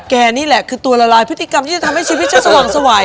นี่แหละคือตัวละลายพฤติกรรมที่จะทำให้ชีวิตฉันสว่างสวัย